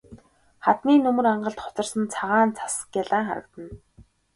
Хадны нөмөр ангалд хоцорсон цагаан цас гялайн харагдана.